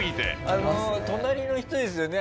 あの隣の人ですよね？